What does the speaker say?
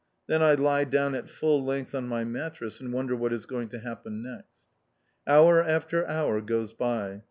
Then I lie down at full length on my mattress and wonder what is going to happen next. Hour after hour goes by.